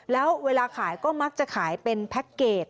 แล้วเวลาขายก็มักจะขายเป็นแพ็คเกจ